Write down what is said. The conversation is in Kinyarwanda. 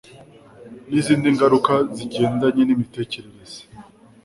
n 'izindi ngaruka zigendanye n'imitekereze.